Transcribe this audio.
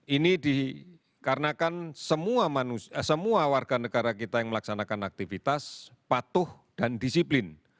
ini dikarenakan semua warga negara kita yang melaksanakan aktivitas patuh dan disiplin